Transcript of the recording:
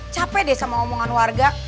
capek deh sama omongan warga